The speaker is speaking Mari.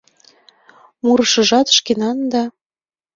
Мурышыжат шкенан да